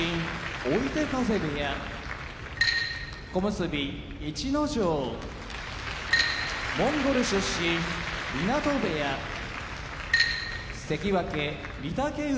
追手風部屋小結・逸ノ城モンゴル出身湊部屋関脇・御嶽海